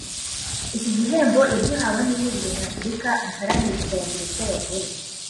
Iki gihembo yagihawe n’Ihuriro Nyafurika riharanira iterambere ry’Abagore